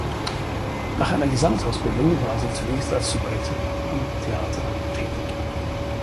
Nach einer Gesangsausbildung war sie zunächst als Soubrette am Theater tätig.